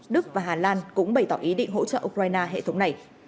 đức và hà lan cũng bày tỏ ý định hỗ trợ ukraine hệ thống này